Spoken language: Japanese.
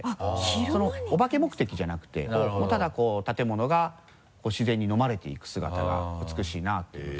お化け目的じゃなくてただこう建物が自然に飲まれていく姿が美しいなっていうことで。